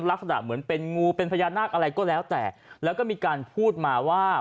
ลักษณะเหมือนเป็นงูเป็นพญานาคอะไรก็แล้วแต่แล้วก็มีการพูดมาว่า